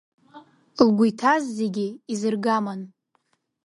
Лгәы иҭаз зегь изыргаман.